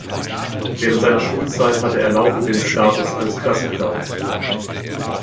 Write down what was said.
Während seiner Schulzeit hatte er laufend den Status eines Klassenclowns.